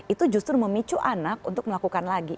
itu justru memicu anak untuk melakukan lagi